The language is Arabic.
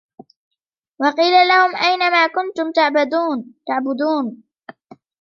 وقيل لهم أين ما كنتم تعبدون